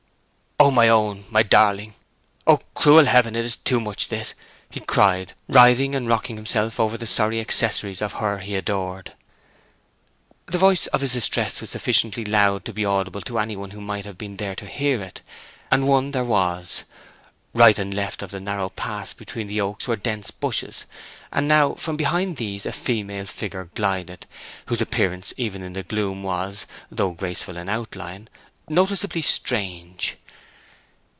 "Oh, my own—my darling! Oh, cruel Heaven—it is too much, this!" he cried, writhing and rocking himself over the sorry accessories of her he deplored. The voice of his distress was sufficiently loud to be audible to any one who might have been there to hear it; and one there was. Right and left of the narrow pass between the oaks were dense bushes; and now from behind these a female figure glided, whose appearance even in the gloom was, though graceful in outline, noticeably strange.